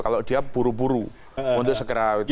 kalau dia buru buru untuk segera